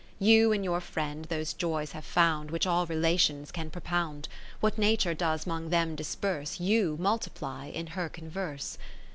IV You in your friend those joys have found Which all relations can propound; What Nature does 'mong them disperse, You multiply in her converse.